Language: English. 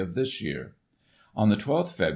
of this year. On the 1 2th Feb.